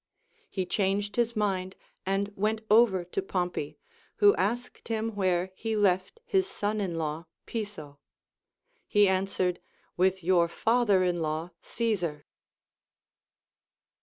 He changed his mind and went over to Pompey, who asked him where he left his son in law Piso. He answered, AVith your father in law Caesar.